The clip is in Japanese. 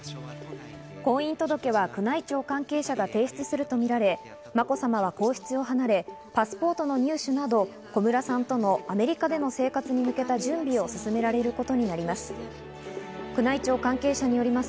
婚姻届は宮内庁関係者が提出するとみられ、まこさまは皇室を離れ、パスポートの入手など、小室さんとのアメリカでの生活に向けた準備を進められることになります。